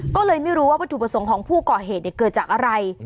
ก็เลยไม่รู้ว่าวัตถุประสงค์ของผู้ก่อเหตุเกิดจากอะไร